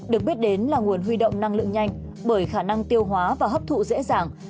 được biết đến là nguồn huy động năng lượng nhanh bởi khả năng tiêu hóa và hấp thụ dễ dàng